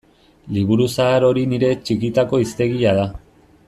Liburu zahar hori nire txikitako hiztegia da.